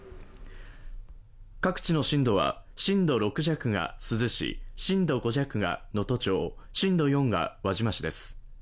各地の震度は震度６弱が珠洲市、震度５弱が能登町、震度４が輪島市です。